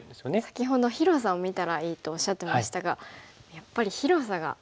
先ほど広さを見たらいいとおっしゃってましたがやっぱり広さが全然違いましたね。